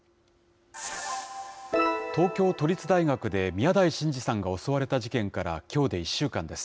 東京都立大学で宮台真司さんが襲われた事件から、きょうで１週間です。